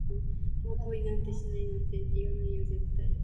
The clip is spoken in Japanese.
もう恋なんてしないなんて、言わないよ絶対